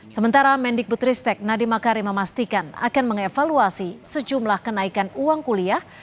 sementara mendik putristek nadiem akari memastikan akan mengevaluasi sejumlah kenaikan uang kuliah